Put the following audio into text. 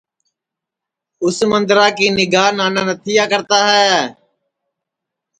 اُس مندرا کی نیگھا نانا نتھیا کرتا ہے